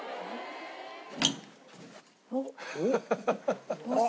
おっ！